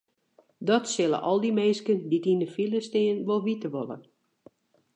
Dat sille al dy minsken dy't yn de file stean wol witte wolle.